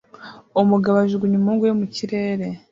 Umugabo ajugunya umuhungu we mu kirere